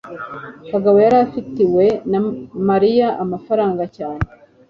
kagabo yari afitiwe mariya amafaranga cyane